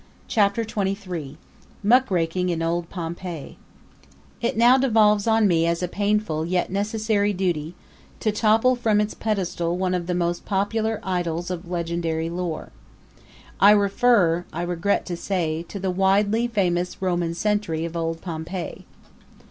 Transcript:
Chapter XXIII Muckraking in Old Pompeii It now devolves on me as a painful yet necessary duty to topple from its pedestal one of the most popular idols of legendary lore. I refer, I regret to say, to the widely famous Roman sentry of old Pompeii.